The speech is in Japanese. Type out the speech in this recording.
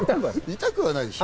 痛くはないでしょ。